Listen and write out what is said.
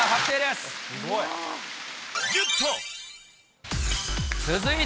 すごい。